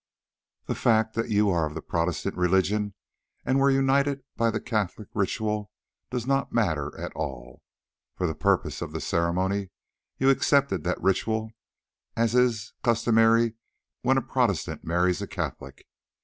The fact that you are of the Protestant religion, and were united by the Catholic ritual, does not matter at all. For the purposes of the ceremony you accepted that ritual, as is customary when a Protestant marries a Catholic.